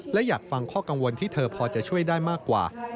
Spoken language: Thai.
และอยากฟังข้อกังวลที่เธอพอจะช่วยได้มากกว่า